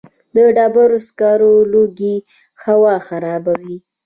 د ډبرو سکرو لوګی هوا خرابوي؟